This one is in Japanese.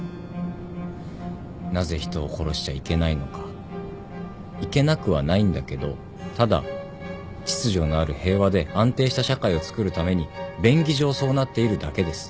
なぜ人を殺しちゃいけないのかいけなくはないんだけどただ秩序のある平和で安定した社会をつくるために便宜上そうなっているだけです。